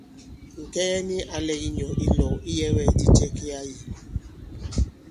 Ŋ̀kɛŋɛ nik ǎ lɛ̄k ŋ̀nyɔ̌ ilɔ̄w iyɛ̄wɛ̂kdi cɛ ki ā yī.